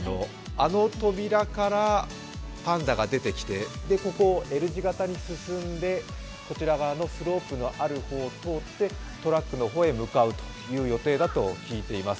あの扉からパンダが出てきて、ここＬ字型に進んで、こちら側のスロープのある方を通ってトラックに向かう予定だと聞いています。